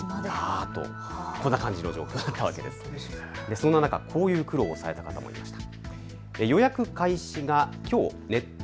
そんな中、こんな苦労をされた方もいました。